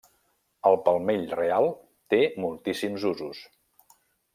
El palmell real té moltíssims usos.